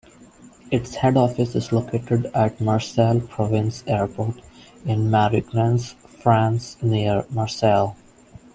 Its head office is located at Marseille Provence Airport in Marignane, France, near Marseille.